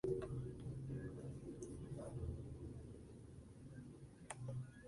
Actriz Chilena, titulada en la escuela de teatro de la Universidad Finis Terrae.